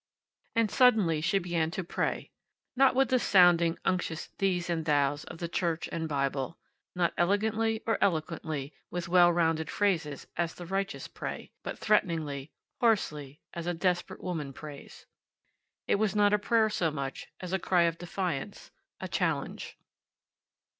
And suddenly she began to pray, not with the sounding, unctions thees and thous of the Church and Bible; not elegantly or eloquently, with well rounded phrases, as the righteous pray, but threateningly, hoarsely, as a desperate woman prays. It was not a prayer so much as a cry of defiance a challenge.